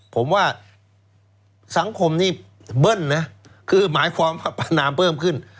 ผมว่าสังคมนี้เบิ่นคือหมายความพัดทานน้ำเพิ่มขึ้น